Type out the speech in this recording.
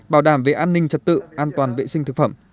bảo đảm về an ninh trật tự an toàn vệ sinh thực phẩm